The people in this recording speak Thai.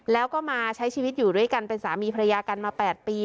แล้วก็มาใช้ชีวิตอยู่ด้วยกันเป็นสามีภรรยากันมา๘ปี